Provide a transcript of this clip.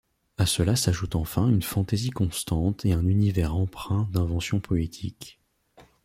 À cela s'ajoute enfin une fantaisie constante et un univers empreint d'invention poétique.